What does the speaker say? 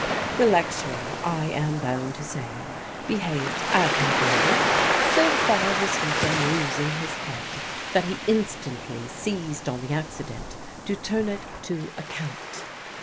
The lecturer, I am bound to say, behaved admirably. So far was he from losing his head, that he instantly seized on the accident to turn it to account.